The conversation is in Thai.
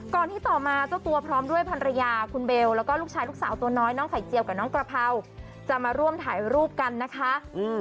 ที่ต่อมาเจ้าตัวพร้อมด้วยภรรยาคุณเบลแล้วก็ลูกชายลูกสาวตัวน้อยน้องไข่เจียวกับน้องกระเพราจะมาร่วมถ่ายรูปกันนะคะ